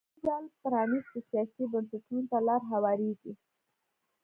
په لومړي ځل پرانېستو سیاسي بنسټونو ته لار هوارېږي.